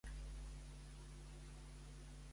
Xina té un govern religiós?